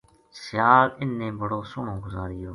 سیال اِن نے بڑو سوہنو گُزاریو